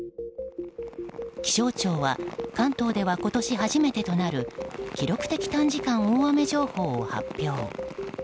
気象庁は関東では今年初めてとなる記録的短時間大雨情報を発表。